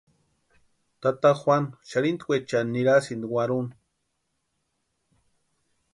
Tata Juanu xarhintkweechani nirasïnti warhuni.